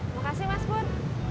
makasih mas pur